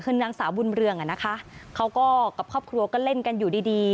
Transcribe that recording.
คือนางสาวบุญเรืองอ่ะนะคะเขาก็กับครอบครัวก็เล่นกันอยู่ดีดี